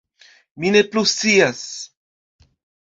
- Mi ne plu scias